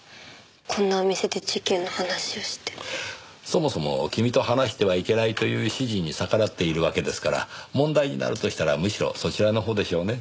そもそも君と話してはいけないという指示に逆らっているわけですから問題になるとしたらむしろそちらのほうでしょうね。